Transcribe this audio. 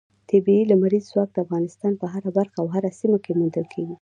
طبیعي لمریز ځواک د افغانستان په هره برخه او هره سیمه کې موندل کېږي.